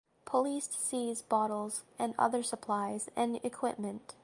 Police seized bottles and other supplies and equipment.